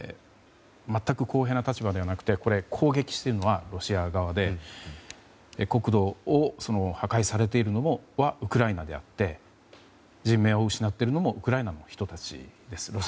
全く公平な立場ではなくて攻撃しているのはロシア側で国土を破壊されているのはウクライナであって人命を失っているのもウクライナの人たちです。